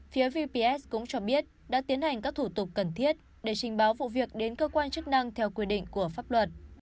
phía vps cũng cho biết đã tiến hành các thủ tục cần thiết để trình báo vụ việc đến cơ quan chức năng theo quy định của pháp luật